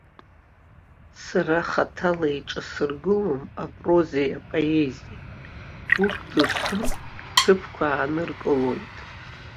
Сара хаҭала еиҿасыргылом апрозеи апоезиеи, урҭ дасу рҭыԥқәа ааныркылоит.